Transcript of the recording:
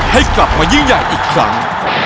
ให้กลับมายิ่งใหญ่อีกครั้ง